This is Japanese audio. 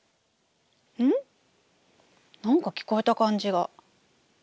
なんか聞こえた感じが。